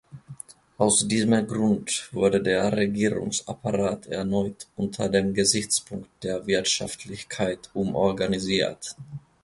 Aus diesem Grund wurde der Regierungsapparat erneut unter dem Gesichtspunkt der Wirtschaftlichkeit umorganisiert.